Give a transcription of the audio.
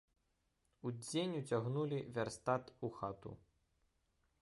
Удзень уцягнулі вярстат у хату.